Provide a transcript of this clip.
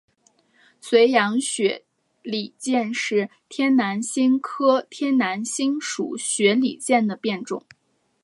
绥阳雪里见是天南星科天南星属雪里见的变种。